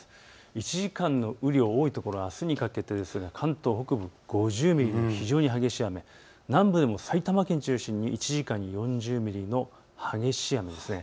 １時間の雨量、多いところあすにかけてですが関東北部５０ミリと非常に激しい雨、南部でも埼玉県を中心に１時間４０ミリの激しい雨です。